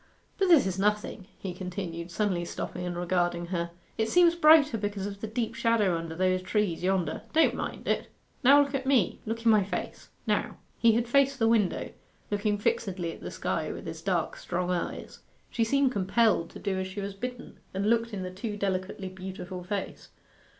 'But this is nothing,' he continued, suddenly stopping and regarding her. 'It seems brighter because of the deep shadow under those trees yonder. Don't mind it; now look at me look in my face now.' He had faced the window, looking fixedly at the sky with his dark strong eyes. She seemed compelled to do as she was bidden, and looked in the too delicately beautiful face.